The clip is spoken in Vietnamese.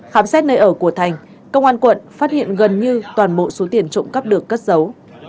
khám xét nơi ở của thành công an quận phát hiện gần như toàn bộ số tiền trộm cắp được cất giấu